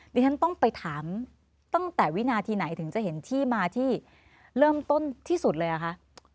ดิฉันต้องไปถามตั้งแต่วินาทีไหนถึงจะเห็นที่มาที่เริ่มต้นที่สุดเลยอะคะ